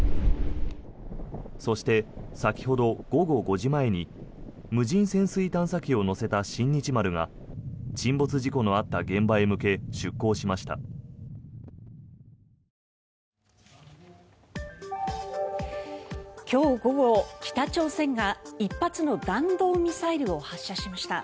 そして、先ほど午後５時前に無人潜水探査機を載せた「新日丸」が沈没事故のあった現場へ向け出港しました。